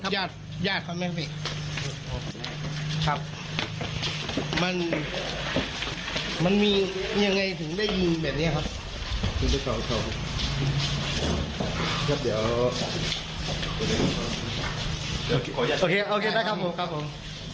โอเคโอเคได้ครับผมครับผม